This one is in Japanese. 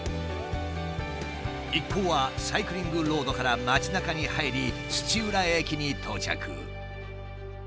一行はサイクリングロードから街なかに入り土浦駅に到着。